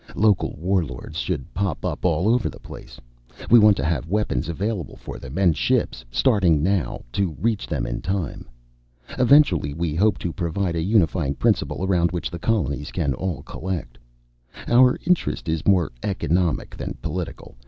Local war lords should pop up all over the place. We want to have weapons available for them and ships starting now to reach them in time. Eventually we hope to provide a unifying principle around which the colonies can all collect. Our interest is more economic than political.